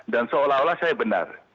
dan seolah olah saya benar